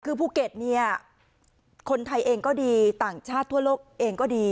คือภูเก็ตเนี่ยคนไทยเองก็ดีต่างชาติทั่วโลกเองก็ดี